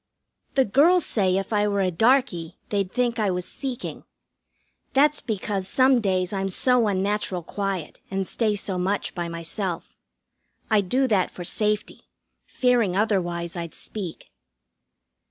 The girls say if I were a darkey they'd think I was seeking. That's because some days I'm so unnatural quiet and stay so much by myself. I do that for safety, fearing otherwise I'd speak.